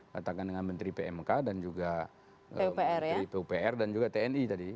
katakan dengan menteri pmk dan juga menteri pupr dan juga tni tadi